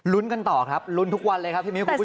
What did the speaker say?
กันต่อครับลุ้นทุกวันเลยครับพี่มิ้วคุณผู้ชม